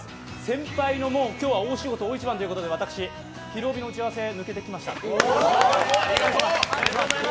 先輩の大仕事・大一番ということで私、「ひるおび」の打ち合わせ抜けてきました。